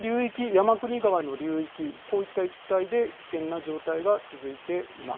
山国川の流域、こういった一帯で危険な状態が続いています。